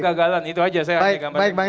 gagalan itu aja saya ambil gambarnya